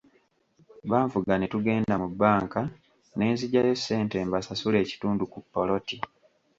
Banvuga ne tugenda mu bbanka ne nzigyayo ssente mbasasuleko ekitundu ku ppoloti.